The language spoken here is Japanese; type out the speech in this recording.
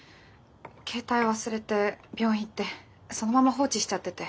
携帯忘れて病院行ってそのまま放置しちゃってて。